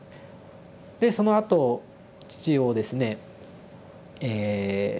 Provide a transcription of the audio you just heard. そのあと父をですねえ